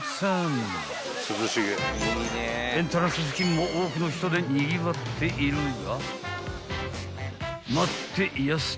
［エントランス付近も多くの人でにぎわっているが］